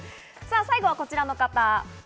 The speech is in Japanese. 最後はこちらの方。